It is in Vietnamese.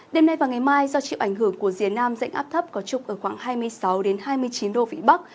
đêm nay và ngày mai do chịu ảnh hưởng của rìa nam dạnh áp thấp có trục ở khoảng hai mươi sáu hai mươi chín độ vĩ bắc